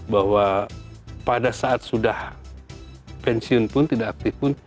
bahwa pada saat sudah pensiun pun tidak aktif pun